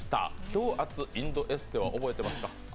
強圧インドエステは覚えていますか？